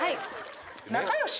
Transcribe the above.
仲良し？